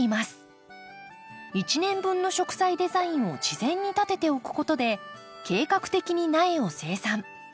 一年分の植栽デザインを事前に立てておくことで計画的に苗を生産。